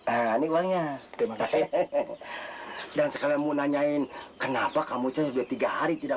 ah ini uangnya terima kasih dan sekalian mau nanyain kenapa kamu sudah tiga hari tidak